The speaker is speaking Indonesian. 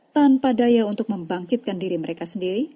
tanpa daya untuk membangkitkan diri mereka sendiri